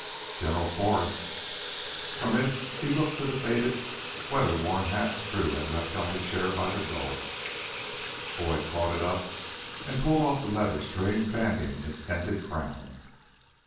"General Forrest's!" From it he looked to the faded weatherworn hat Drew had left on a chair by the door. Boyd caught it up and pulled off the leather string banding its dented crown.